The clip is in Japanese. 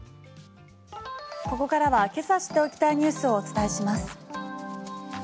ここからはけさ知っておきたいニュースをお伝えします。